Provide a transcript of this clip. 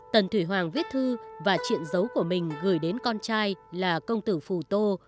tần thủy hoàng viết thư và triện dấu của mình gửi đến con trai là công tử phù tô